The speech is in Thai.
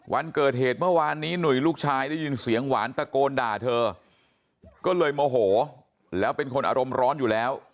วันเกิดเหตุเมื่อวานนี้หนุ่ยลูกชายได้ยินเสียงหวานตะโกนด่าเธอก็เลยโมโหแล้วเป็นคนอารมณ์ร้อนอยู่แล้ว